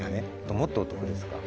もっとお得ですか？